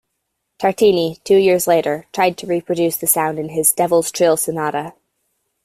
Tartini, two years later, tried to reproduce the sound in his "Devil's Trill Sonata".